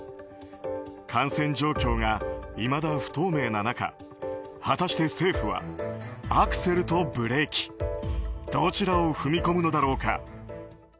感染状況がいまだ不透明な中果たして、政府はアクセルとブレーキどちらを踏み込むのだろうか。